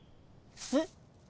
えっ。